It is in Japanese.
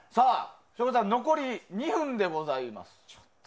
省吾さん残り２分でございます。